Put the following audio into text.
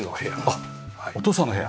あっお父さんの部屋。